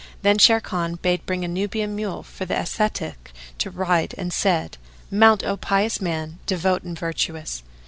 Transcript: Then Sharrkan bade bring a Nubian mule for the ascetic to ride and said, "Mount, O pious man, devout and virtuous!"